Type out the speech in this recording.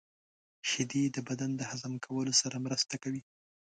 • شیدې د بدن د هضم کولو سره مرسته کوي.